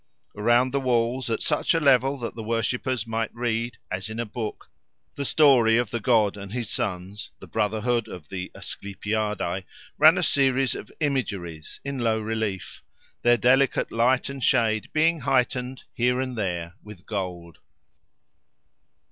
Around the walls, at such a level that the worshippers might read, as in a book, the story of the god and his sons, the brotherhood of the Asclepiadae, ran a series of imageries, in low relief, their delicate light and shade being heightened, here and there, with gold.